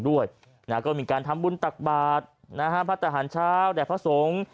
ด้วยนะก็มีการทำบุญตักบาทนะฮะพระทหารเช้าแด่พระสงฆ์